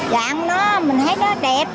dạng nó mình thấy nó đẹp